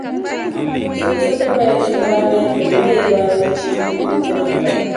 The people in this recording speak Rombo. Sooso dwevaeshimu wameku na iva utranga.